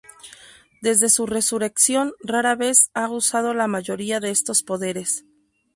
Desde su resurrección, rara vez ha usado la mayoría de estos poderes.